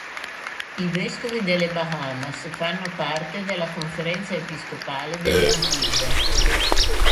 I vescovi delle Bahamas fanno parte della Conferenza Episcopale delle Antille.